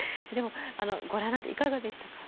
ご覧になっていかがでしたか？